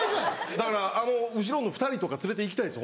だから後ろの２人とか連れて行きたいです